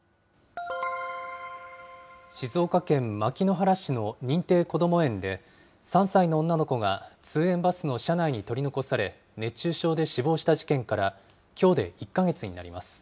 静岡県牧之原市の認定こども園で、３歳の女の子が通園バスの車内に取り残され、熱中症で死亡した事件から、きょうで１か月になります。